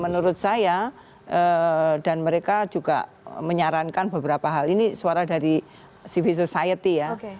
menurut saya dan mereka juga menyarankan beberapa hal ini suara dari civil society ya